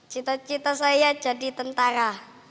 cita cita saya jadi tentara